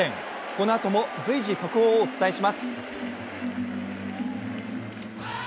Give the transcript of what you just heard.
このあとも随時、速報をお伝えします。